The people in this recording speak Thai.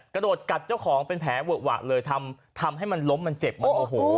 กระโดดกัดเจ้าของเป็นแผลเวอะหวะเลยทำให้มันล้มมันเจ็บมันโมโห